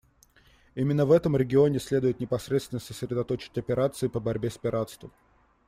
Именно в этом регионе следует непосредственно сосредоточить операции по борьбе с пиратством.